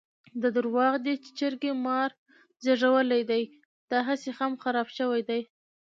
دا درواغ دي چې چرګې مار زېږولی دی؛ داهسې خم خراپ شوی دی.